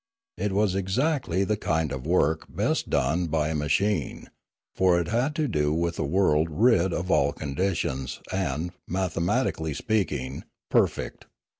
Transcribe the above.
It was exactly the kind of work best done by a ma chine, for it had to do with a world rid of all conditions and, mathematically speaking, perfect.